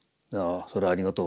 「それはありがとう。